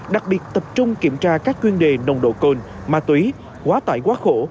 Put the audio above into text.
đặc biệt tập trung kiểm tra các chuyên đề nồng độ cồn ma túy quá tải quá khổ